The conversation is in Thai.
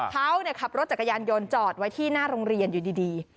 เขาขับรถจักรยานยนต์จอดไว้ที่หน้าโรงเรียนอยู่ดี